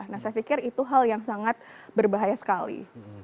nah saya pikir itu hal yang sangat berbahaya sekali